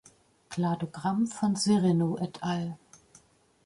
Kladogramm von Sereno et al.